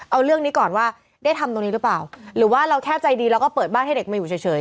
เอาเรื่องนี้ก่อนว่าได้ทำตรงนี้หรือเปล่าหรือว่าเราแค่ใจดีแล้วก็เปิดบ้านให้เด็กมาอยู่เฉย